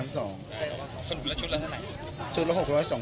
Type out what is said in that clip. สนุกละชุดละไหน